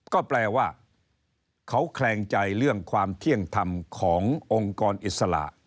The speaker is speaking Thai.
ก็แปลว่าเขาแคลงใจเรื่องความเที่ยงธรรมขององค์กรอิสระ